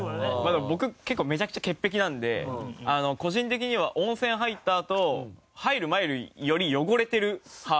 でも僕結構めちゃくちゃ潔癖なので個人的には温泉入ったあと入る前より汚れてる派。